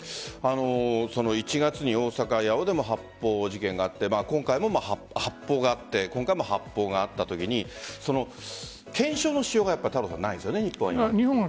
１月に大阪・八尾でも発砲事件があって今回も発砲があったときに検証のしようがないですよね日本は。